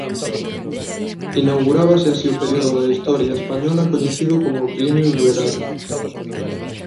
Inaugurábase así o período da historia española coñecido como o Trienio liberal.